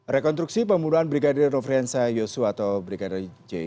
rekonstruksi pemuluhan brigadir referensa yosu atau brigadir j